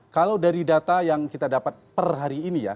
kalau dari data yang kita dapat per hari ini ya